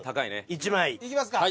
１枚。いきますか。